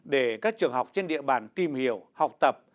để các trường học trên địa bàn tìm hiểu học tập